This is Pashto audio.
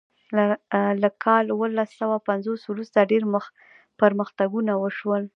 له کال اوولس سوه پنځوس وروسته ډیر پرمختګونه وشول.